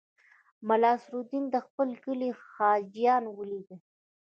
ملا نصرالدین د خپل کلي حاجیان ولیدل.